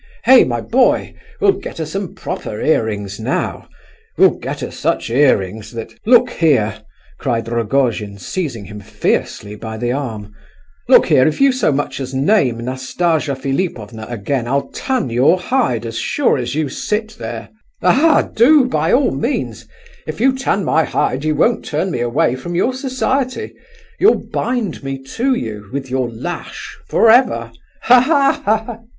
"Hey, my boy, we'll get her some proper earrings now! We'll get her such earrings that—" "Look here," cried Rogojin, seizing him fiercely by the arm, "look here, if you so much as name Nastasia Philipovna again, I'll tan your hide as sure as you sit there!" "Aha! do—by all means! if you tan my hide you won't turn me away from your society. You'll bind me to you, with your lash, for ever. Ha, ha!